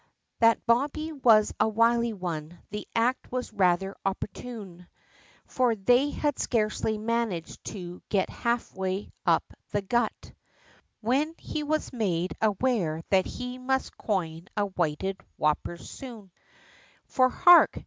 That bobbie was a wily one, the act was rather opportune, For they had scarcely managed to get half way up the gut When he was made aware that he must coin a whited whopper soon, For hark!